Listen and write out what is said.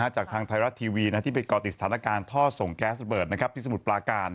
จากทางไทยรัฐทีวีที่ไปก่อติดสถานการณ์ท่อส่งแก๊สระเบิดที่สมุทรปลาการ